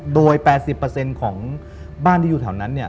โดย๘๐ของบ้านที่อยู่แถวนั้นเนี่ย